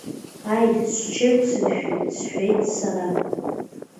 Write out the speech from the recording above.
Ааи сҽеиқәсыршәеит, — сҳәеит сара.